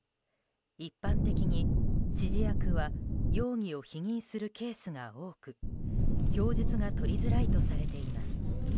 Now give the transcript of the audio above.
一般的に指示役は容疑を否認するケースが多く供述が取りづらいとされています。